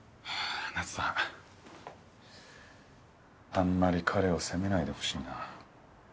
あんまり彼を責めないでほしいな。